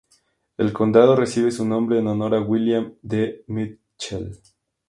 El condado recibe su nombre en honor a William D. Mitchell.